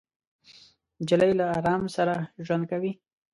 نجلۍ له ارام سره ژوند کوي.